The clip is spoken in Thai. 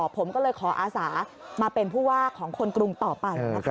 ผมก็เลยขออาสามาเป็นผู้ว่าของคนกรุงต่อไปนะคะ